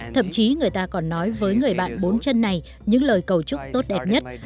thậm chí người ta còn nói với người bạn bốn chân này những lời cầu chúc tốt đẹp nhất